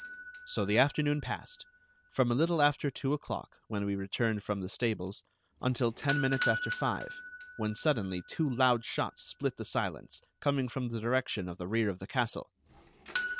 So the afternoon passed, from a little after two o'clock, when we returned from the stables, until ten minutes after five, when suddenly two loud shots split the silence, coming from the direction of the rear of the castle.